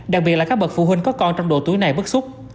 đặc biệt là các bậc phụ huynh có con trong độ tuổi này bức xúc